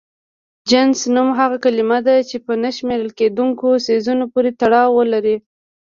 جنس نوم هغه کلمه ده چې په نه شمېرل کيدونکو څيزونو پورې تړاو ولري.